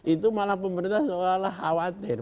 itu malah pemerintah seolah olah khawatir